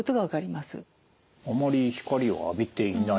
あまり光を浴びていない。